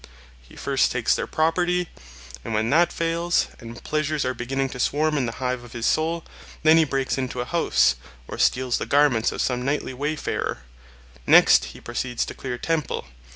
He first takes their property, and when that fails, and pleasures are beginning to swarm in the hive of his soul, then he breaks into a house, or steals the garments of some nightly wayfarer; next he proceeds to clear a temple.